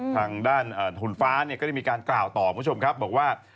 ทางด้านคุณฟ้าเนี่ยก็ได้มีการกล่าวต่อคุณผู้ชมครับบอกว่า